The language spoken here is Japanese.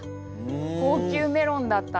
高級メロンだったので。